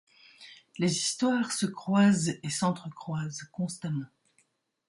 Les histoires se croisent et s'entrecroisent constamment.